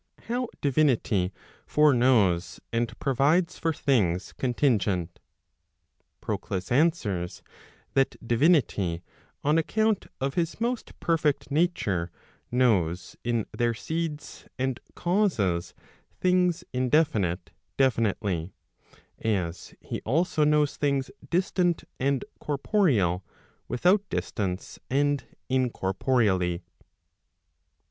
How divinity foreknows and provides for things contingent? Proclus answers, that divinity, on account of his most perfect nature. Digitized by t^OOQLe CONCERNING PROVIDENCE. 487 knows in their seeds and causes things indefinite definitely, as he also knows things distant and corporeal, without distance and incorporeally.